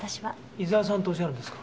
伊沢さんとおっしゃるんですか？